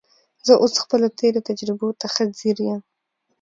زه اوس خپلو تېرو تجربو ته ښه ځیر یم